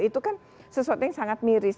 itu kan sesuatu yang sangat miris